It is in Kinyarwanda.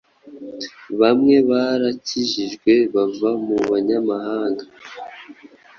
Bamwe barakijijwe bava mu banyamahanga